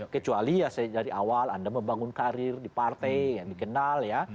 kecuali ya dari awal anda membangun karir di partai yang dikenal ya